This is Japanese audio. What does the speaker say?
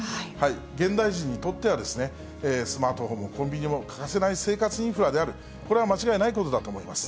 現代人にとっては、スマートフォンもコンビニも欠かせない生活インフラである、これは間違いないことだと思います。